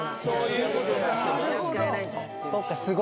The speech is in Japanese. そういうことか。